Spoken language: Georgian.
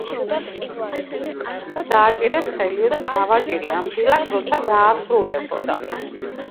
მსოფლიოში ოფიციალურად „ცათამბჯენების დედაქალაქად“ აღიარებულია ჰონგ-კონგი.